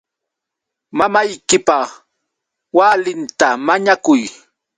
Mamaykipa walinta mañakuy.